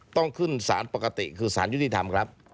ต้องขึ้นสารปกติคือสารยุติธรรมครับ